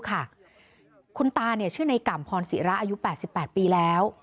คุณตาเนี่ยชื่อในกรรมภรศิระอายุ๘๘ปีแล้ว